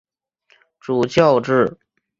主教制。